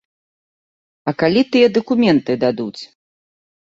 А калі тыя дакументы дадуць?